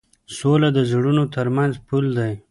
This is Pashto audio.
سوله د زړونو تر منځ پُل دی.